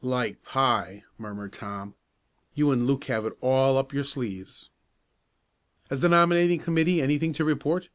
"Like pie!" murmured Tom. "You and Luke have it all up your sleeves." "Has the nominating committee anything to report?"